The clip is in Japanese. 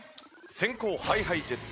先攻ＨｉＨｉＪｅｔｓ